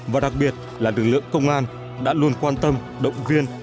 và đặc biệt là lực lượng công an đã luôn quan tâm động viên